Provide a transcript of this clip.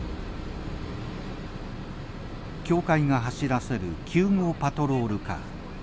教会が走らせる救護パトロールカー。